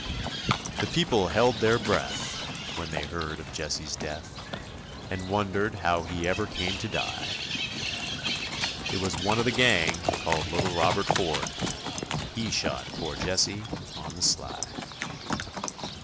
The people held their breath when they heard of Jesse's death, And wondered how he ever came to die. It was one of the gang called little Robert Ford, He shot poor Jesse on the sly.